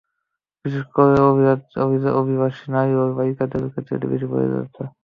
বিশেষ করে অভিবাসী নারী এবং বালিকাদের ক্ষেত্রে এটা বেশি করে প্রযোজ্য।